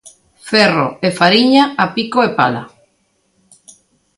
Ferro e fariña, a pico e pala.